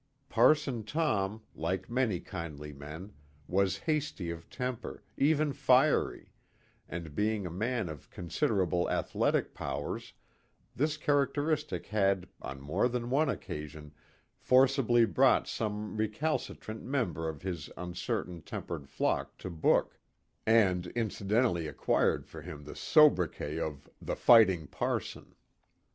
Parson Tom, like many kindly men, was hasty of temper, even fiery, and being a man of considerable athletic powers, this characteristic had, on more than one occasion, forcibly brought some recalcitrant member of his uncertain tempered flock to book, and incidentally acquired for him the sobriquet of "the fighting parson."